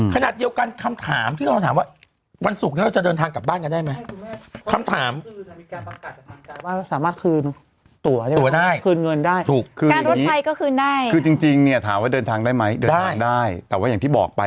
ขณะเดียวกันคำถามที่เราถามว่า